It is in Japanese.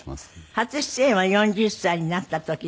初出演は４０歳になった時で。